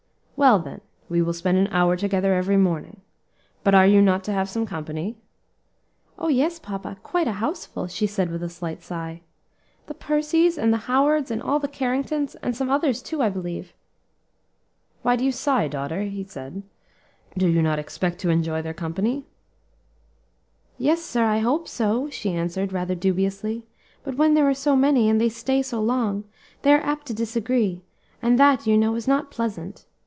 "Well, then, we will spend an hour together every morning. But are you not to have some company?" "Oh! yes, papa, quite a house full," she said with a slight sigh. "The Percys, and the Howards, and all the Carringtons, and some others too, I believe." "Why do you sigh, daughter?" he asked; "do you not expect to enjoy their company?" "Yes, sir, I hope so," she answered, rather dubiously; "but when there are so many, and they stay so long, they are apt to disagree, and that, you know, is not pleasant.